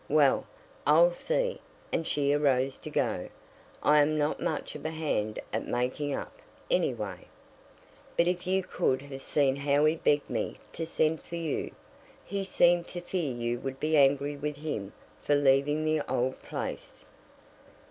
"Well, I'll see," and she arose to go, "I am not much of a hand at making up, anyway." "But if you could have seen how he begged me to send for you. He seemed to fear you would be angry with him for leaving the old place."